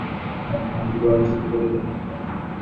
তাঁহার প্রাপ্য হইতে কেহ তাহাকে এক কড়ি বঞ্চিত করিতে পারিত না।